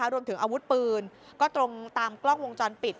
รวมถึงอาวุธปืนก็ตรงตามกล้องวงจรปิด